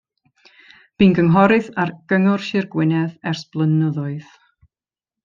Bu'n gynghorydd ar Gyngor Sir Gwynedd ers blynyddoedd.